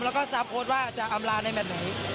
แล้วก็ทราบโพสต์ว่าอาจจะอำราฯในแมทไหน